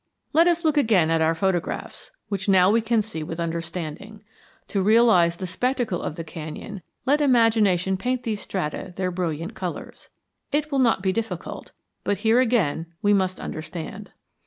Let us look again at our photographs, which now we can see with understanding. To realize the spectacle of the canyon, let imagination paint these strata their brilliant colors. It will not be difficult; but here again we must understand.